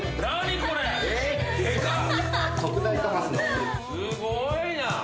すごいな。